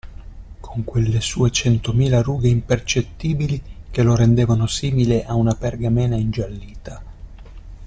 Con quelle sue centomila rughe impercettibili, che lo rendevano simile a una pergamena ingiallita.